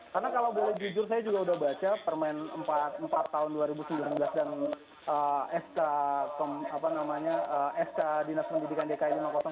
karena kalau boleh jujur saya juga sudah baca permen empat tahun dua ribu sembilan belas dan sk dinas pendidikan dki lima ratus satu dua ribu dua puluh itu